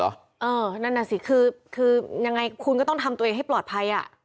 นั่นน่ะสิคือยังไงคุณก็ต้องทำตัวเองให้ปลอดภัย